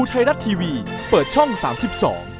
สวัสดีครับ